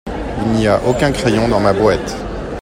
Il n’y a aucun crayon dans ma boîte.